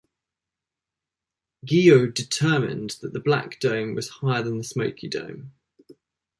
Guyot determined that Black Dome was higher than Smoky Dome.